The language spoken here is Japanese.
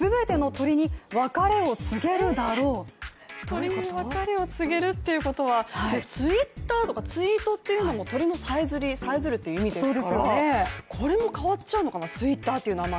鳥に別れを告げるということはＴｗｉｔｔｅｒとか、ツイートというのも鳥のさえずりという意味ですからこれも変わっちゃうのかな、Ｔｗｉｔｔｅｒという名前。